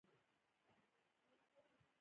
کامیاب نه کېږي.